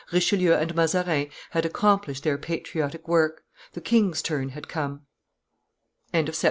Richelieu and Mazarin had accomplished their patriotic work: the king's turn had come. CHAPTER XLIV.